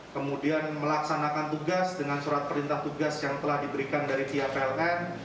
kemudian melaksanakan tugas dengan surat perintah tugas yang telah diberikan dari pihak pln